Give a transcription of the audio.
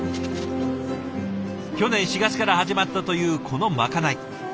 去年４月から始まったというこのまかない。